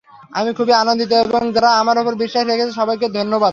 আমি খুবই আনন্দিত এবং যাঁরা আমার ওপর বিশ্বাস রেখেছেন, সবাইকেই ধন্যবাদ।